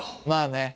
まあね。